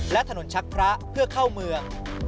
และถนนชักพระเพื่อเข้าเมือง